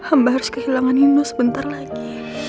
amba harus kehilangan nino sebentar lagi